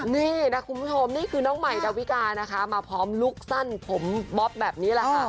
นี่นะคุณผู้ชมนี่คือน้องใหม่ดาวิกานะคะมาพร้อมลูกสั้นผมบ๊อบแบบนี้แหละค่ะ